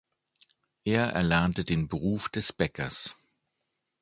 Er erlernte den Beruf des Bäckers.